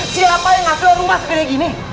siapa yang ngasih lo rumah sepenuhnya gini